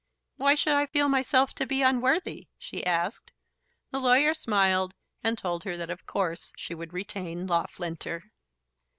"Why should I feel myself to be unworthy?" she asked. The lawyer smiled, and told her that of course she would retain Loughlinter.